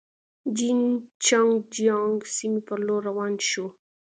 جین چنګ جیانګ سیمې پر لور روان شوو.